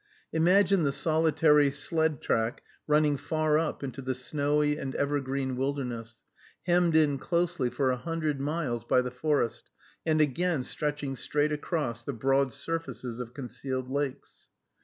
Imagine the solitary sled track running far up into the snowy and evergreen wilderness, hemmed in closely for a hundred miles by the forest, and again stretching straight across the broad surfaces of concealed lakes!